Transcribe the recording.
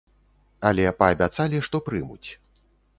Але паабяцалі, што прымуць.